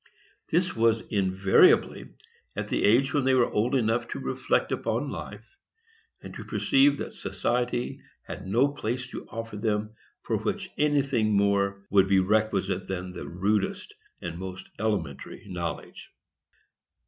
This was invariably at the age when they were old enough to reflect upon life, and to perceive that society had no place to offer them for which anything more would be requisite than the rudest and most elementary knowledge.